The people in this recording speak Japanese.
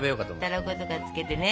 たらことかつけてね。